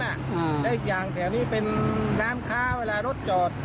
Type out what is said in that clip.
และอีกอย่างแถวนี้เป็นร้านค้าเวลารถจอด